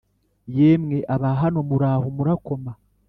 Yemwe Abahano Muraho murakoma